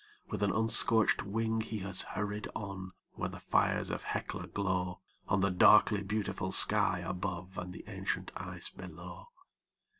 With an unscorched wing he has hurried on, where the fires of Hecla glow On the darkly beautiful sky above and the ancient ice below.